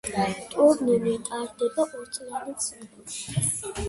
ტურნირი ტარდება ორ წლიანი ციკლით.